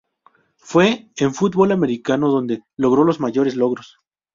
Fue en fútbol americano donde logró los mayores logros.